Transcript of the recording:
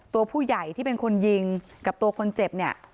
ตัวผู้ใหญ่ที่เป็นคนยิงกับตัวคนเจ็บเนี่ย